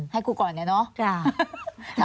ให้กูก่อนเลยเนอะจ้ะ